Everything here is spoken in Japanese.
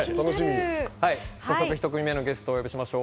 早速１組目のゲストをお呼びしましょう。